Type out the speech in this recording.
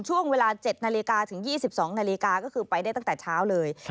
ช่วงเวลา๗นาฬิกาถึง๒๒นาฬิกาก็คือไปได้ตั้งแต่เช้าเลย